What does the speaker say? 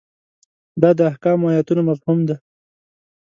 دا د احکامو ایتونو مفهوم ده.